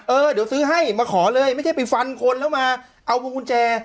เออเดี๋ยวซื้อให้มาขอเลยไม่ใช่ไปฟันคนแล้วมาเอาพวงกุญแจ